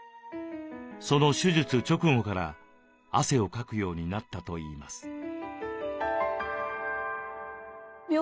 その手術直後から汗をかくようになったといいます。